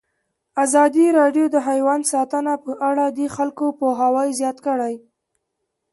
ازادي راډیو د حیوان ساتنه په اړه د خلکو پوهاوی زیات کړی.